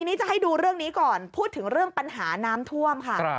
ทีนี้จะให้ดูเรื่องนี้ก่อนพูดถึงเรื่องปัญหาน้ำท่วมค่ะ